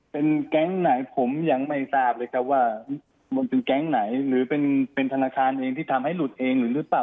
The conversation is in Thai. เป็นแก๊งไหนผมยังไม่ทราบเลยครับว่ามันเป็นแก๊งไหนหรือเป็นธนาคารเองที่ทำให้หลุดเองหรือหรือเปล่า